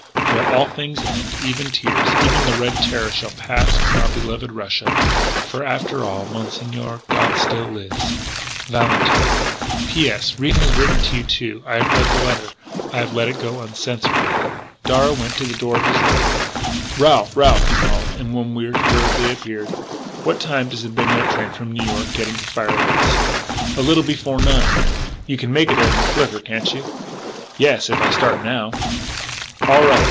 "Well, all things end. Even tears. Even the Red Terror shall pass from our beloved Russia. For, after all, Monsieur, God still lives. "VALENTINE." "P. S. Ricca has written to you. I have read the letter. I have let it go uncensored." Darragh went to the door of his room: "Ralph! Ralph!" he called. And, when Wier hurriedly appeared: "What time does the midnight train from New York get into Five Lakes?" "A little before nine " "You can make it in the flivver, can't you?" "Yes, if I start now." "All right.